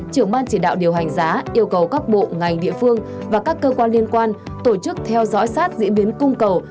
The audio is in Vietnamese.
trưởng ban chỉ đạo điều hành giá yêu cầu các bộ ngành địa phương và các cơ quan liên quan tổ chức theo dõi sát diễn biến cung cầu